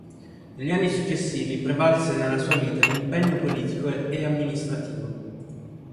Negli anni successivi prevalse nella sua vita l'impegno politico e amministrativo.